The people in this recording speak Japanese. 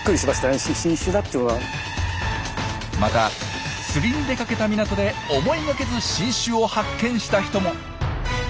また釣りに出かけた港で思いがけず新種を発見した人も。